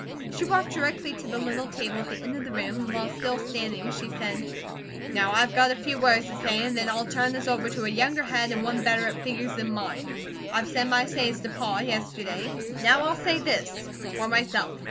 She walked directly to the little table at the end of the room, and while still standing she said: "Now I've got a few words to say, and then I'll turn this over to a younger head an' one better at figures than mine. I've said my say as to Pa, yesterday. Now I'll say THIS, for myself.